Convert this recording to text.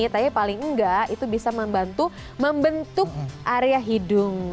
tapi paling enggak itu bisa membantu membentuk area hidung